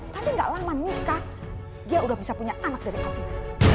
kan dia gak lama nikah dia udah bisa punya anak dari afif